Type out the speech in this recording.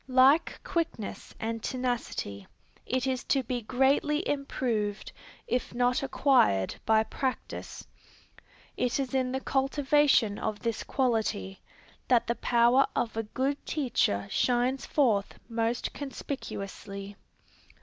Like quickness and tenacity, it is to be greatly improved, if not acquired by practice. It is in the cultivation of this quality, that the power of a good teacher shines forth most conspicuously.